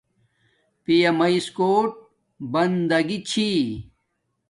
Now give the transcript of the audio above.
پیا میس کوٹ بندگی چھی